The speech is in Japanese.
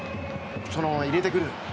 そのまま入れてくる。